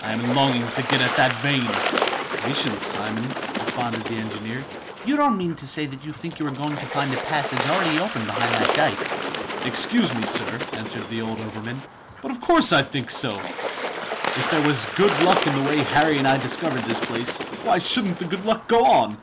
I am longing to get at the vein!" "Patience, Simon!" responded the engineer. "You don't mean to say that you think you are going to find a passage all ready open behind that dyke?" "Excuse me, sir," answered the old overman; "but of course I think so! If there was good luck in the way Harry and I discovered this place, why shouldn't the good luck go on?"